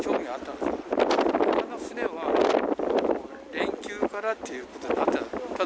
ほかの船は連休からっていうことになってた。